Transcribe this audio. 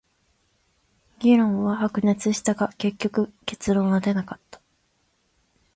議論は白熱したが、結局結論は出なかった。